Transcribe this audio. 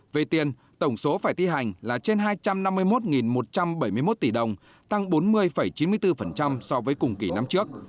về tiền tổng số phải thi hành là trên hai trăm năm mươi một một trăm bảy mươi một tỷ đồng tăng bốn mươi chín mươi bốn so với cùng kỳ năm trước